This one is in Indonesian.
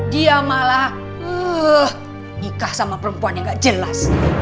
dia malah nikah sama perempuan yang gak jelas